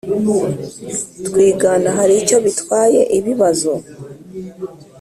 twigana hari icyo bitwaye Ibibazo